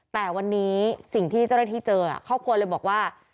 แต่วันนี้สิ่งที่เจ้าหน้าที่เจอครอบครัวเลยบอกว่า